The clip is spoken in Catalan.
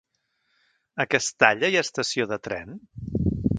A Castalla hi ha estació de tren?